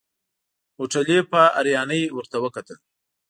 هوټلي په حيرانۍ ورته وکتل.